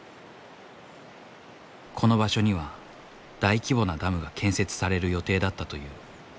この場所には大規模なダムが建設される予定だったという。